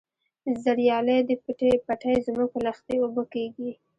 زریالي دي پټی زموږ په لښتي اوبه کیږي.